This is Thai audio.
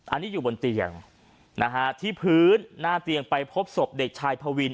อันนี้อยู่บนเตียงนะฮะที่พื้นหน้าเตียงไปพบศพเด็กชายพวิน